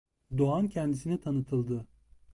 Doğan kendisine tanıtıldı.